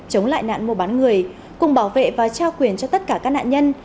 chống lại nạn mua bán người cùng bảo vệ và trao quyền cho tất cả các nạn nhân